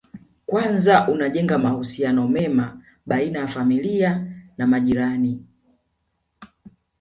Kwanza unajenga mahusiano mema baina ya familia na majirani